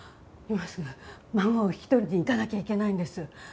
今すぐ孫を引き取りに行かなきゃいけないんです。